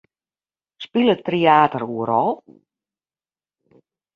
Spilet Tryater oeral?